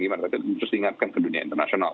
gimana tapi terus diingatkan ke dunia internasional